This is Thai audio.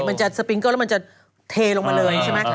มันจะสปิงเกิ้ลแล้วมันจะเทลงมาเลยใช่ไหม